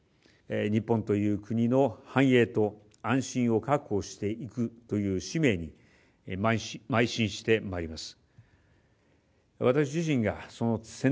日本という国の繁栄と安心を確保していくという使命にまい進してまいります。